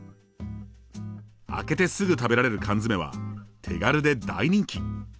開けてすぐ食べられる缶詰は手軽で大人気。